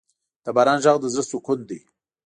د باران ږغ د زړه سکون دی.